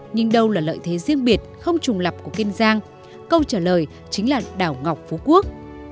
nhưng đâu là lợi thế riêng biệt không trùng lập của kiên giang câu trả lời chính là đảo ngọc phú quốc